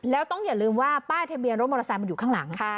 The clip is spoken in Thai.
แล้วต้องอย่าลืมว่าป้ายทะเบียนรถมอเตอร์ไซค์มันอยู่ข้างหลัง